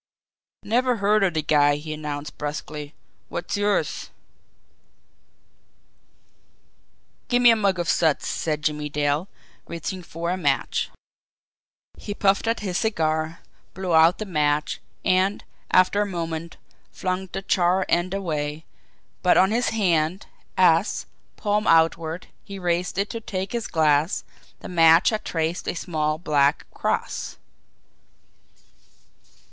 "Never heard of de guy!" he announced brusquely. "Wot's yours?" "Gimme a mug of suds," said Jimmie Dale, reaching for a match. He puffed at his cigar, blew out the match, and, after a moment, flung the charred end away but on his hand, as, palm outward, he raised it to take his glass, the match had traced a small black cross.